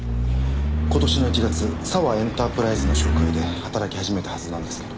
今年の１月沢エンタープライズの紹介で働き始めたはずなんですけど。